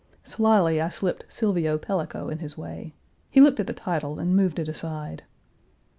Slily I slipped Silvio Pellico in his way. He looked at the title and moved it aside.